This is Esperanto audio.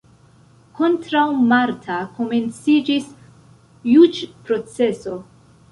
Kontraŭ Marta komenciĝis juĝproceso.